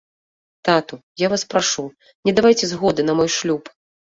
Тату, я вас прашу, не давайце згоды на мой шлюб.